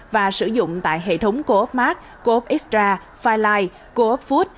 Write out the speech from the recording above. và sử dụng tại hệ thống coop mart coop extra firelight coop food